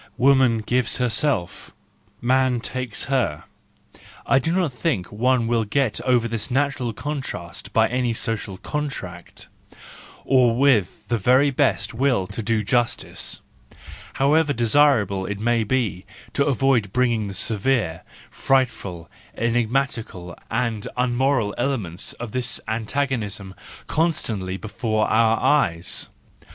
Woman gives herself, man takes her. — I do not think one will get over this natural contrast by any social contract, . or with the very best will to do justice, however desirable it may be to avoid bringing the severe, frightful, enigmatical, and unmoral elements of this antagonism constantly before our eyes.